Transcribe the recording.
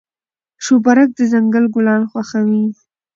شوپرک د ځنګل ګلان خوښوي.